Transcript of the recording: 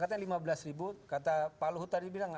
katanya lima belas ribu kata pak luhut tadi bilang